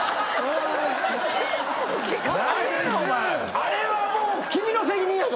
あれはもう君の責任やぞ！